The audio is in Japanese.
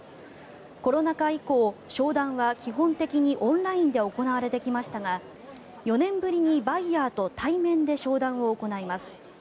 コロナ禍以降、商談は基本的にオンラインで行われてきましたが４年ぶりにバイヤーと対面で商談を行います。